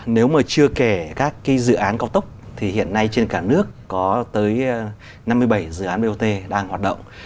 nếu mà chưa kể các dự án cao tốc thì hiện nay trên cả nước có tới năm mươi bảy dự án bot đang hoạt động